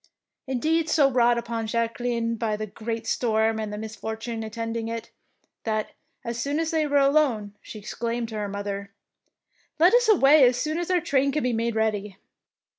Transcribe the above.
Indeed so wrought upon was Jacque line by the great storm and the mis fortune attending it, that, as soon as they were alone, she exclaimed to her mother, — ^'Let us away as soon as our train can be made ready.